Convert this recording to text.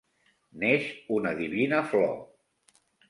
neix una divina flor